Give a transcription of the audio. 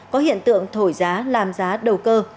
có hiện tượng thổi giá làm giá đầu cơ